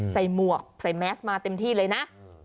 หมวกใส่แมสมาเต็มที่เลยนะ